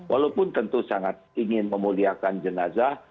walaupun tentu sangat ingin memuliakan jenazah